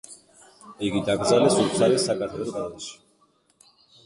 იგი დაკრძალეს უფსალის საკათედრო ტაძარში.